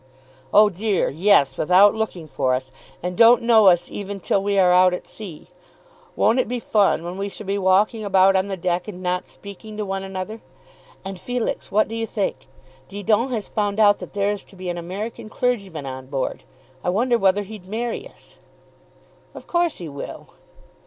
"Oh dear, yes; without looking for us. And don't know us even till we are out at sea. Won't it be fun when we shall be walking about on the deck and not speaking to one another! And, Felix; what do you think? Didon has found out that there is to be an American clergyman on board. I wonder whether he'd marry us." "Of course he will."